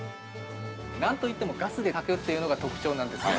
◆何といってもガスで炊くというのが特徴なんですけど。